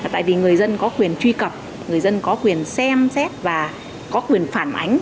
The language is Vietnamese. tại vì người dân có quyền truy cập người dân có quyền xem xét và có quyền phản ánh